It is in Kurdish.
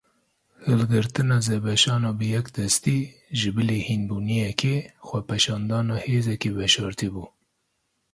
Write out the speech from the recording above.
Hilgirtina zebeşan a bi yek destî, ji bilî hînbûniyekê, xwepêşandana hêzeke veşartî bû.